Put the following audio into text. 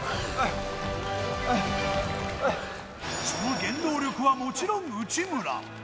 その原動力はもちろん内村。